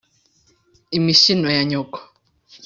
imishino ya nyoko